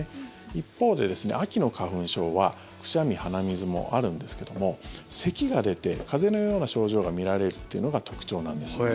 一方で秋の花粉症は、くしゃみ鼻水もあるんですけれどもせきが出て、風邪のような症状が見られるのが特徴なんです。